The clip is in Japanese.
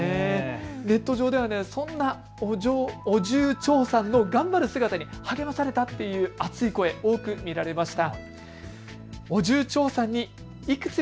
ネット上ではそんなオジュウチョウサンの頑張る姿に励まされたという熱い声が多く見られました。